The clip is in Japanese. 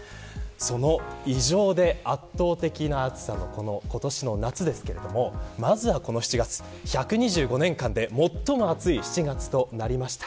その、異常で圧倒的な暑さの今年の夏ですけれどもまずはこの７月、１２５年間で最も暑い７月となりました。